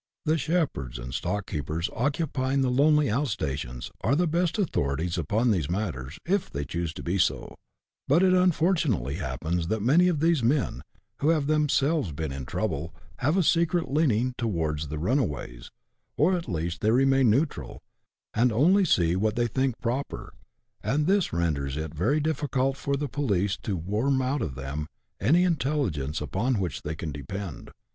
The shepherds and stockkeepers, occupying the lonely out stations, are the best authorities upon these matters, if they choose to be so ; but it unfortunately happens that many of these men, who have themselves been " in trouble," have a secret leaning towards the runaways, or 'at least they remain neutral, and only see what they think proper, and this renders it very difficult for the police to worm out of them any intelligence upon which they can depend.